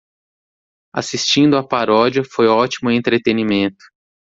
Assistindo a paródia foi ótimo entretenimento.